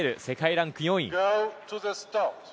世界ランク４位。